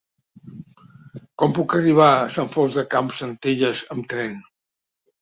Com puc arribar a Sant Fost de Campsentelles amb tren?